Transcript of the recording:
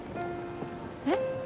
えっ？